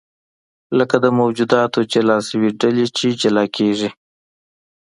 لکه د موجوداتو جلا شوې ډلې چې جلا کېږي.